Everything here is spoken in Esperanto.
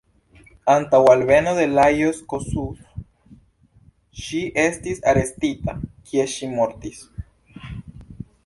Antaŭ alveno de Lajos Kossuth ŝi estis arestita, kie ŝi mortis.